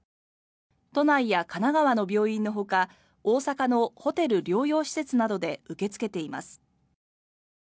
都内や神奈川の病院のほか大阪のホテル療養施設などで受け付けています。